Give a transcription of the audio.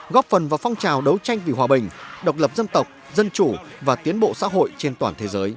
góp phần vào phong trào đấu tranh vì hòa bình độc lập dân tộc dân chủ và tiến bộ xã hội trên toàn thế giới